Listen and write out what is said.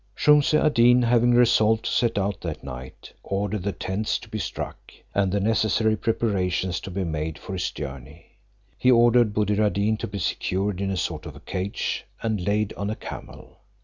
Shumse ad Deen having resolved to set out that night, ordered the tents to be struck, and the necessary preparations to be made for his journey. He ordered Buddir ad Deen to be secured in a sort of cage, and laid on a camel.